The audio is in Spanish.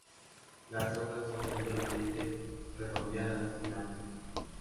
Las hojas son mayormente redondeadas en la punta.